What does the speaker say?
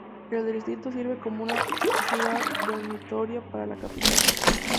El distrito sirve como una ciudad dormitorio para la capital.